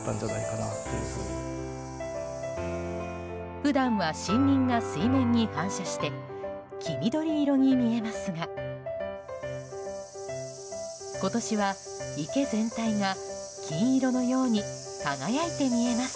普段は森林が水面に反射して黄緑色に見えますが今年は池全体が金色のように輝いて見えます。